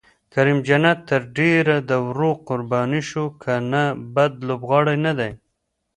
کریم جنت تر ډېره د ورور قرباني شو، که نه بد لوبغاړی نه دی.